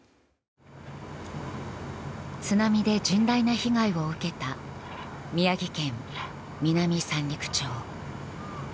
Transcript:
津波で甚大な被害を受けた宮城県南三陸町。